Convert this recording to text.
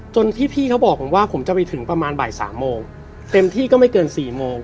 จนที่พี่เขาบอกผมว่าผมจะไปถึงประมาณบ่ายสามโมงเต็มที่ก็ไม่เกิน๔โมง